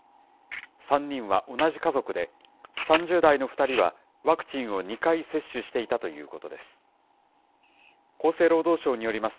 ３人は同じ家族で、３０代の２人は、ワクチンを２回接種していたということです。